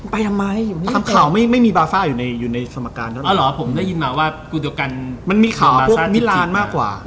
ไปยังไงทำข่าวไม่มีบาซ่าอยู่ในสมการก็เลยมันมีข่าวพวกมิรานมากกว่า